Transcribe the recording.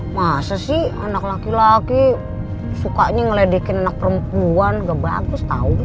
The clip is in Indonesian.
masa sih anak laki laki sukanya ngeledikin anak perempuan gak bagus tau